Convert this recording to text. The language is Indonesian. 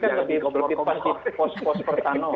kalau pak muhammad luksik kan lebih pos pos pertanoh